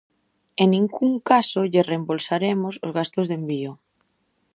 En ningún caso lle reembolsaremos os gastos de envío.